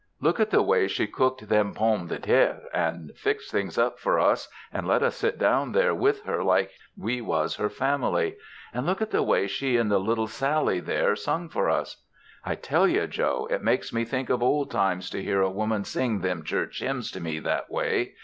"Look at the way she cooked them pomme de terres and fixed things up for us and let us sit down there with her like we was her family. And look at the way she and the little Sallie there sung for us. "I tell you, Joe, it makes me think of old times to hear a woman sing them church hymns to me that way.